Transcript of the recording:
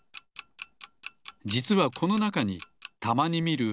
じつはこのなかにたまにみる